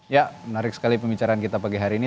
ya menarik sekali pembicaraan kita pagi hari ini